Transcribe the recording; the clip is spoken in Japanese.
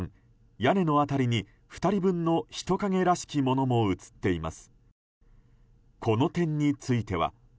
屋根の辺りに２人分の人影らしきものも映っています。